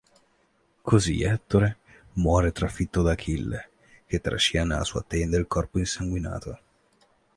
Così Ettore muore trafitto da Achille, che trascina nella sua tenda il corpo insanguinato.